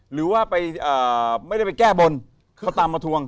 หรือว่าไปไม่ได้ไปแก้บนเขาตามมาทวง